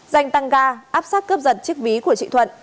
danh tăng ga áp sát cướp giật chiếc ví của chị thuận